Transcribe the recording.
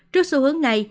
trước xu hướng này